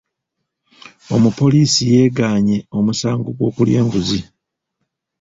Omupoliisi yeegaanye omusango gw'okulya enguzi.